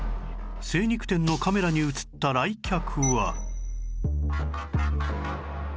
精肉店のカメラに映った来客は